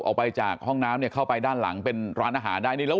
ออกไปจากห้องน้ำเนี่ยเข้าไปด้านหลังเป็นร้านอาหารได้นี่แล้ว